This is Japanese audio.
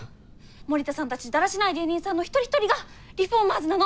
森田さんたちだらしない芸人さんの一人一人がリフォーマーズなの！